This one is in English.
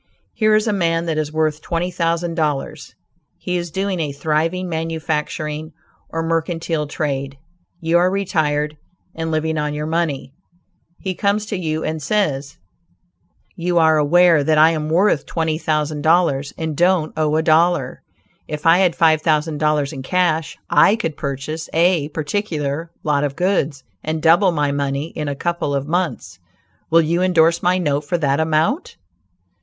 Here is a man that is worth twenty thousand dollars; he is doing a thriving manufacturing or mercantile trade; you are retired and living on your money; he comes to you and says: "You are aware that I am worth twenty thousand dollars, and don't owe a dollar; if I had five thousand dollars in cash, I could purchase a particular lot of goods and double my money in a couple of months; will you indorse my note for that amount?"